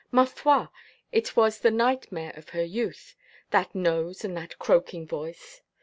Ma foi! It was the nightmare of her youth, that nose and that croaking voice.